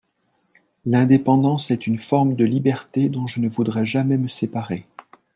L'indépendance est une forme de liberté dont je ne voudrais jamais me séparer.